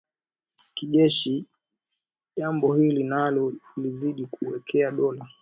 kijeshi jambo hili nalo lilizidi kuwekea doa